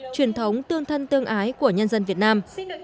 truyền thống tương thân tương ái của nhân dân việt nam